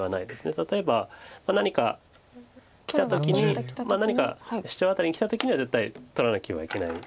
例えば何かきた時に何かシチョウアタリにきた時には絶対取らなければいけない。